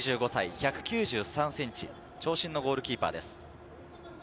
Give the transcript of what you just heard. １９３ｃｍ、長身のゴールキーパーです。